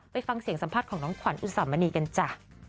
ไปฟังเสียงสัมภาษณ์ของน้องขวัญอุสามณีกันจ้ะ